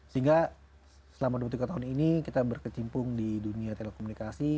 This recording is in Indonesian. sehingga selama dua puluh tiga tahun ini kita berkecimpung di dunia telekomunikasi